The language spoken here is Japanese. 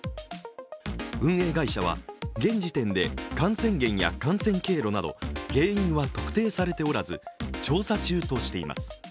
運営会社は、現時点で感染源や感染経路など原因は特定されておらず、調査中としています。